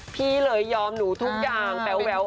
พี่เลยยอมหนูทุกอย่างแป๊ว